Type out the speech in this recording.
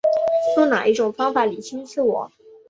用哪一种方法厘清自我